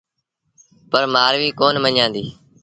پر مآرويٚ ڪونا مڃيآݩديٚ۔